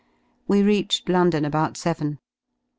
We reached London about seven.